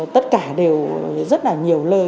tất cả đều rất là nhiều lời